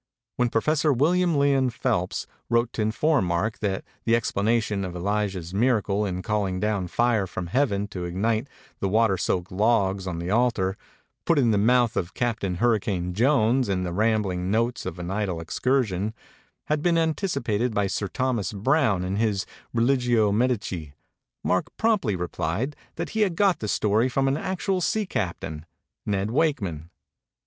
' When Professor William Lyon Phelps wrote to inform Mark that the explanation of Elijah's miracle in calling down fire from Heaven to ignite the water soaked logs on the altar, put in the mouth of Captain Hurricane Jones in the 'Rambling Notes of an Idle Excursion/ had been anticipated by Sir Thomas Browne in his 'Religio Medici/ Mark promptly replied that he had got the story from an actual sea captain, Ned Wakeman.